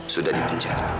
sudah di penjara